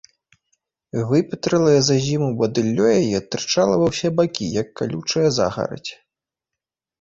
Выпетралае за зіму бадыллё яе тырчала ва ўсе бакі, як калючая загарадзь.